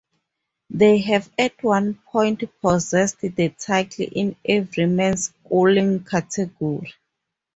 They have at one point possessed the title in every men's sculling category.